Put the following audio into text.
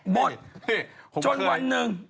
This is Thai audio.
หมดจนวันหนึ่ง